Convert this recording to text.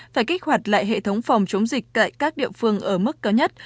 phải kích hoạt lại hệ thống phòng chống dịch tại các địa phương ở mức cao nhất